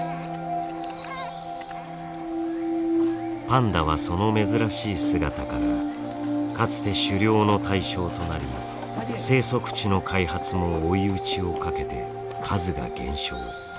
パンダはその珍しい姿からかつて狩猟の対象となり生息地の開発も追い打ちをかけて数が減少。